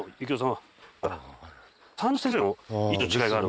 はい。